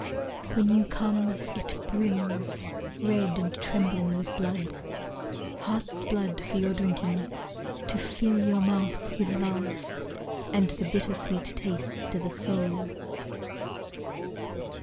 When you come, it brims Red and trembling with blood, Heart's blood for your drinking; To fill your mouth with love And the bitter sweet taste of a soul.